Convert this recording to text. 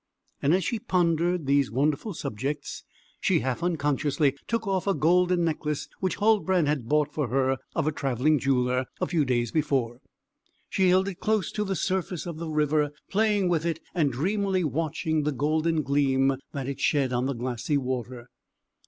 And as she pondered these wonderful subjects, she half unconsciously took off a golden necklace which Huldbrand had bought for her of a travelling jeweller a few days before; she held it close to the surface of the river playing with it, and dreamily watching the golden gleam that it shed on the glassy water.